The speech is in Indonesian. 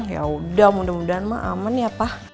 ya udah mudah mudahan mah aman ya pak